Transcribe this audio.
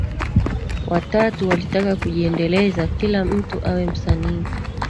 Watatu walitaka kujiendeleza kila mtu awe msanii